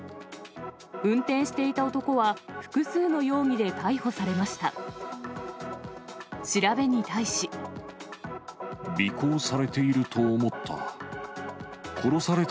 運転していた男は複数の容疑で逮捕されました。